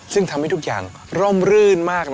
ซึ่งทำให้ทุกอย่างร่มรื่นมาก